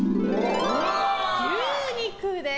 牛肉です。